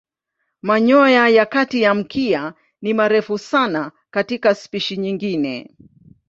Manyoya ya kati ya mkia ni marefu sana katika spishi nyingine.